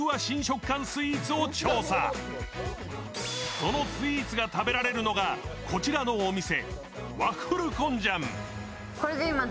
そのスイーツが食べられるのがこちらのお店。